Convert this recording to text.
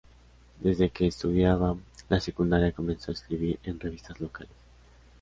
Desde que estudiaba la secundaria comenzó a escribir en revistas locales.